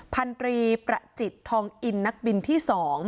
พันธรีประจิตทองอินนักบินที่๒